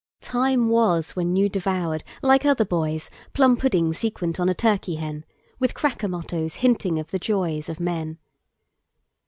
Time was when you devoured, like other boys, Plum pudding sequent on a turkey hen; With cracker mottos hinting of the joysOf men.